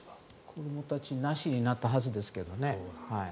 子どもたちなしになったはずですけどね。